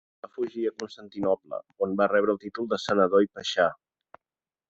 Va fugir a Constantinoble on va rebre el títol de senador i paixà.